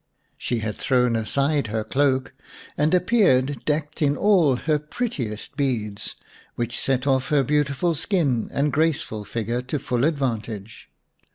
She had thrown aside her cloak and appeared decked in all her prettiest beads, which set off her beautiful skin and graceful figure to full advantage.